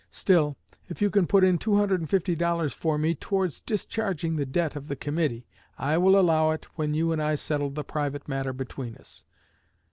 Still, if you can put in two hundred and fifty dollars for me towards discharging the debt of the committee, I will allow it when you and I settle the private matter between us.